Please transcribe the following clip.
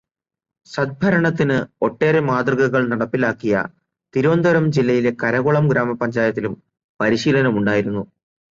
സദ്ഭരണത്തിന് ഒട്ടേറെ മാതൃകകൾ നടപ്പിലാക്കിയ തിരുവനന്തപുരം ജില്ലയിലെ കരകുളം ഗ്രാമപഞ്ചായത്തിലും പരിശീലനം ഉണ്ടായിരുന്നു.